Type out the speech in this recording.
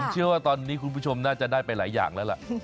เชื่อว่าตอนนี้คุณผู้ชมน่าจะได้ไปหลายอย่างแล้วล่ะ